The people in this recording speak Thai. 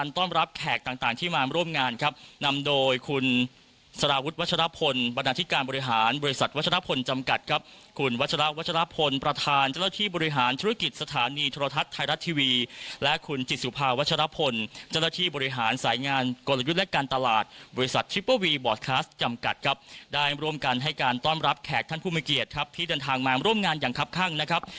ต้อนรับแขกท่านผู้มีเกียรติครับที่เดินทางมาร่วมงานอย่างครับข้างนะครับ